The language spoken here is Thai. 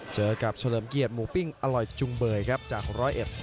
เจอกับเฉลิมเกียรติหมูปิ้งอร่อยจุงเบยครับจากร้อยเอ็ด